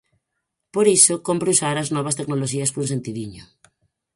Por iso, cómpre usar as novas tecnoloxías con sentidiño.